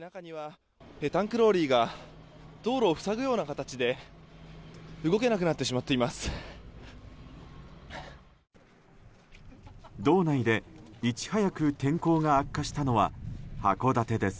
タンクローリーが道路を塞ぐような形で動けなくなってしまっています。